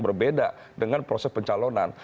berbeda dengan proses pencalonan